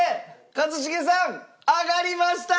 一茂さん上がりました！